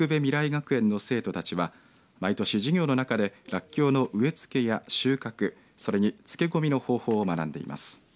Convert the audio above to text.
学園の生徒たちは毎年、授業の中でらっきょうの植え付けや収穫それに漬け込みの方法を学んでいます。